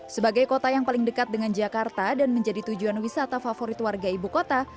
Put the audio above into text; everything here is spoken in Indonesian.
sebagai kota yang paling dekat dengan jakarta dan menjadi tujuan wisata favorit warga ibu kota